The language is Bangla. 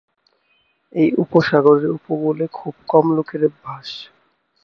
এই উপসাগরের উপকূলে খুব কম লোকের বাস।